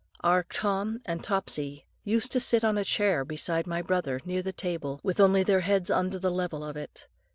Our Tom and Topsy used to sit on a chair beside my brother, near the table, with only their heads under the level of it.